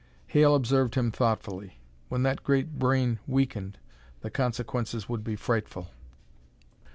Hale observed him thoughtfully. When that great brain weakened, the consequences would be frightful.